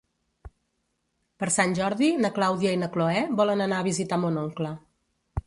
Per Sant Jordi na Clàudia i na Cloè volen anar a visitar mon oncle.